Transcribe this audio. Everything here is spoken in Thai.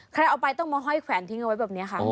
ใครเอาไปต้องมาห้อยแขวนทิ้งเอาไว้แบบนี้ค่ะ